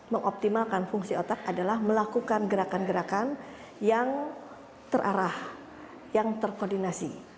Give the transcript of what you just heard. mengoptimalkan fungsi otak adalah melakukan gerakan gerakan yang terarah yang terkoordinasi